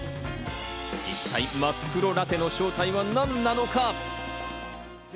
一体、真っ黒ラテの正体は何なのか？